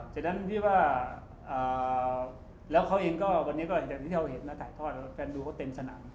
จากนั้นพี่ว่าแล้วเขาเองก็วันนี้ก็เห็นหน้าไต่ทอดแล้วแฟนดูเขาเต็มสนาม